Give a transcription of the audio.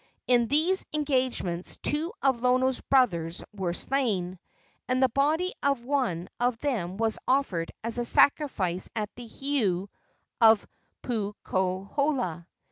In these engagements two of Lono's brothers were slain, and the body of one of them was offered as a sacrifice at the heiau of Puukohola.